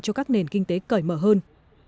cho các nền kinh tế cởi mở hơn